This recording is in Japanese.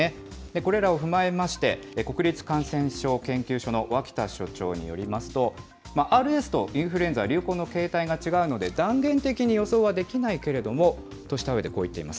これらを踏まえまして、国立感染症研究所の脇田所長によりますと、ＲＳとインフルエンザ、流行の形態が違うので、断言的に予想はできないけれどもとしたうえでこう言っています。